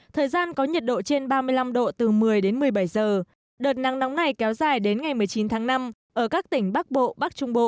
thời gian có nhiệt độ trên ba mươi năm độ từ một mươi đến một mươi bảy giờ đợt nắng nóng này kéo dài đến ngày một mươi chín tháng năm ở các tỉnh bắc bộ bắc trung bộ